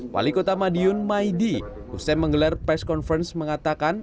wali kota madiun maidi usai menggelar press conference mengatakan